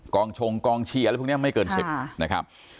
ชงกองเชียร์อะไรพวกนี้ไม่เกิน๑๐นะครับ